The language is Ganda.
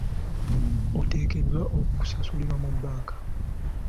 Oteekeddwa kusasulira mu bbanka.